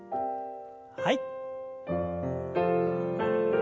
はい。